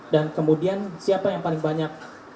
dan kemudian siapa yang paling banyak